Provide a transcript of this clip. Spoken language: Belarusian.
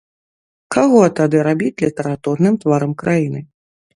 Каго тады рабіць літаратурным тварам краіны?